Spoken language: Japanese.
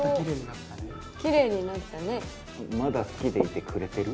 まだ好きでいてくれてる？